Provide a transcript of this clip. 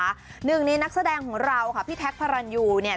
หนึ่งในนักแสดงของเราค่ะพี่แท็กพระรันยูเนี่ย